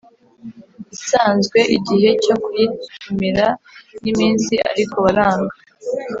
isanzwe Igihe cyo kuyitumira ni iminsi ariko baranga